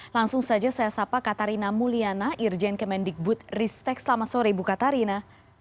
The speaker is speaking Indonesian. langsung saja saya sapa katarina mulyana irjen kemendikbud ristek selamat sore ibu katarina